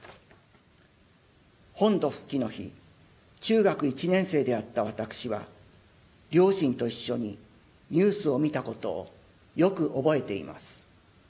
本土復帰の日中学１年生であった私は両親と一緒に、ニュースを見たことをよく覚えています。